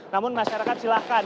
namun masyarakat silahkan